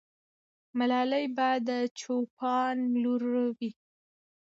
ملالۍ به د چوپان لور وي.